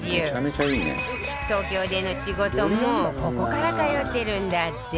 東京での仕事もここから通ってるんだって